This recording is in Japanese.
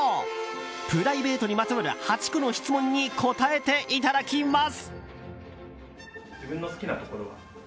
プライベートにまつわる８個の質問に答えていただきます。